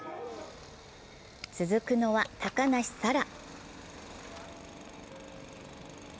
続くのは高梨沙羅。